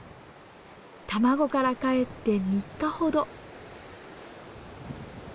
卵からかえって３日ほど。